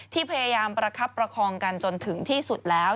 ที่พยายามประคับประคองกันจนถึงที่สุดแล้ว